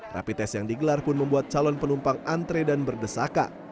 rapid test yang digelar pun membuat calon penumpang antre dan berdesaka